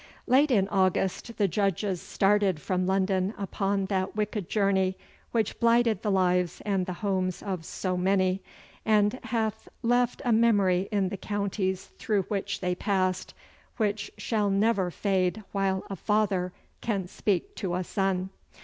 Late in August the judges started from London upon that wicked journey which blighted the lives and the homes of so many, and hath left a memory in the counties through which they passed which shall never fade while a father can speak to a son.